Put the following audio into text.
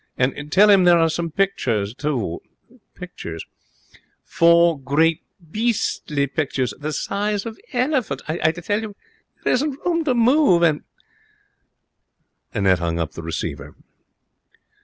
'And tell him there are some pictures, too.' 'Pictures?' 'Four great beastly pictures. The size of elephants. I tell you, there isn't room to move. And ' Annette hung up the receiver.